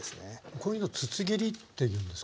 こういうの筒切りっていうんですかね？